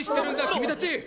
君たち！！